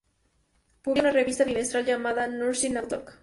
Publica una revista bimestral llamada "Nursing Outlook".